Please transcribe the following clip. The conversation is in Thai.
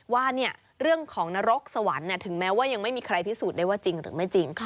ว่าเรื่องของนรกสวรรค์ถึงแม้ว่ายังไม่มีใครพิสูจน์ได้ว่าจริงหรือไม่จริง